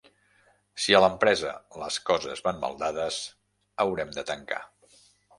Si a l'empresa les coses van mal dades, haurem de tancar.